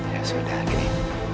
ya sudah gini